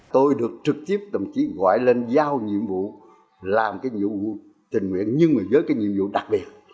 tôi được trực tiếp đồng chí gọi lên giao nhiệm vụ làm cái nhiệm vụ tình nguyện nhưng mà với cái nhiệm vụ đặc biệt